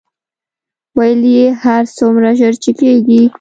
ویل یې هر څومره ژر چې کېږي.